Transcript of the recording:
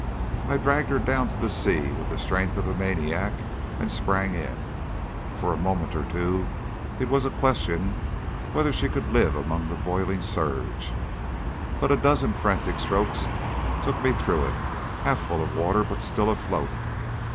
I dragged her down to the sea with the strength of a maniac and sprang in. For a moment or two it was a question whether she could live among the boiling surge, but a dozen frantic strokes took me through it, half full of water but still afloat.